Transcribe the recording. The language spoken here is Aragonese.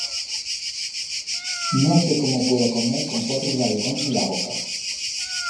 No sé cómo puedo comer con cuatro radigons en la boca.